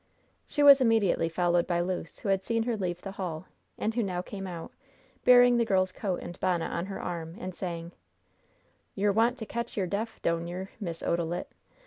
She was immediately followed by Luce, who had seen her leave the hall, and who now came out, bearing the girl's coat and bonnet on her arm, and saying: "Yer want to ketch yer deff, doan yer, Miss Odylit?